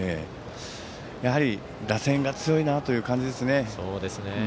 やはり打線が強いなという感じですね。